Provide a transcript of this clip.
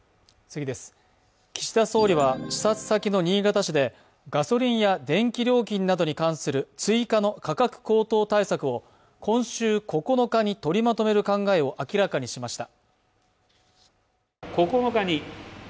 岸田総理は、視察先の新潟市でガソリンや電気料金などに関する追加の価格高騰対策を今週９日に取りまとめる考えを明らかにしました。